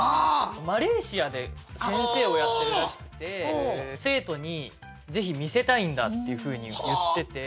マレーシアで先生をやってるらしくて生徒にぜひ見せたいんだっていうふうに言ってて。